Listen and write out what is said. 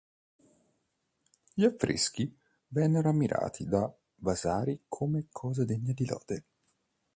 Gli affreschi vennero ammirati da Vasari come "cosa degna di lode".